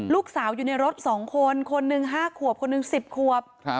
อยู่ในรถ๒คนคนหนึ่ง๕ขวบคนหนึ่ง๑๐ขวบ